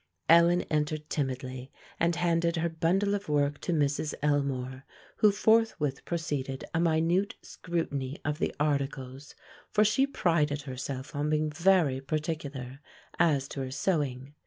Ellen entered timidly, and handed her bundle of work to Mrs. Elmore, who forthwith proceeded to a minute scrutiny of the articles; for she prided herself on being very particular as to her sewing.